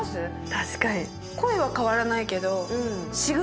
確かに。